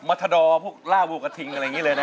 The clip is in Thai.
มัธดรพวกราบบูกตะทิงอะไรแบบนี้เลยนะ